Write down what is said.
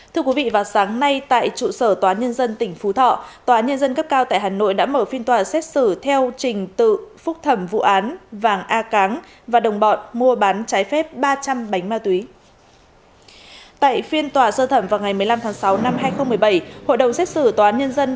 thưa quý vị vào sáng nay tại trụ sở tòa nhân dân tỉnh phú thọ tòa nhân dân cấp cao tại hà nội đã mở phiên tòa xét xử theo trình tự phúc thẩm vụ án vàng a cáng và đồng bọn mua bán trái phép ba trăm linh bánh ma túy